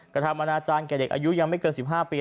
กระทำอนาจารย์แก่เด็กอายุยังไม่เกิน๑๕ปี